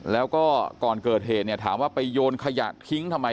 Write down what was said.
แล้วก็ก่อนเกิดเหตุเนี่ยถามว่าไปโยนขยะทิ้งทำไม